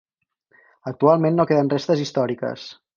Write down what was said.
Actualment no queden restes històriques.